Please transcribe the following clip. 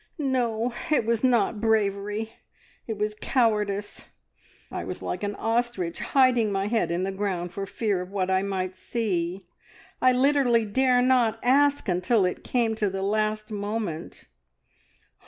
"No, it was not bravery, it was cowardice! I was like an ostrich hiding my head in the ground for fear of what I might see. I literally dare not ask until it came to the last moment.